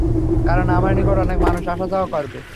কারণ, আমার নিকট অনেক মানুষ আসা-যাওয়া করবে।